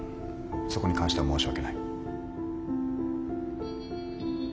そこに関しては申し訳ない。